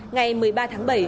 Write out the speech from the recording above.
ngày một mươi ba tháng bảy